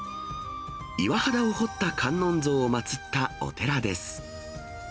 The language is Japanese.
岩肌を掘った観音像を祭ったお寺です。